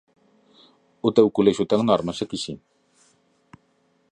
O teu colexio ten normas, a que si?